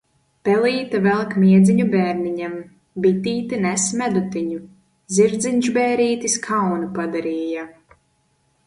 Pelīte velk miedziņu bērniņam, bitīte nes medutiņu, zirdziņš bērītis kaunu padarīja.